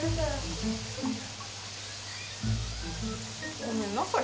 ごめんなさい。